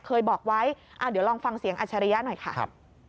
เคยบอกไว้เดี๋ยวลองฟังเสียงอัชริยะหน่อยค่ะ